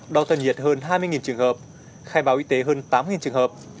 đo thân nhiệt hơn hai mươi trường hợp khai báo y tế hơn tám trường hợp